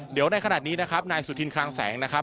เดี๋ยวในขณะนี้นะครับนายสุธินคลังแสงนะครับ